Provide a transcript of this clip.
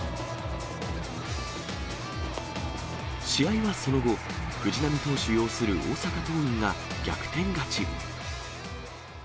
試合はその後、藤浪投手擁する大阪桐蔭が逆転勝ち。